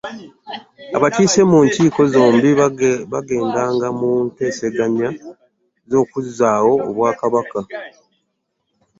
Abakiise mu nkiiko zombi baagendanga mu nteeseganya z'okuzzaawo Obwakabaka.